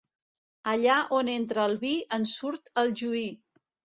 Allà on entra el vi en surt el juí.